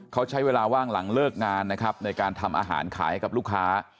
เขาใช้เวลาว่างหลังเลิกงานนะครับในการทำอาหารขายให้กับลูกค้า